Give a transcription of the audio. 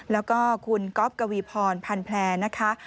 แล้วก็คุณก๊อฟกวีพรพันแพร่นะคะ